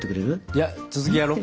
いや続きやろう。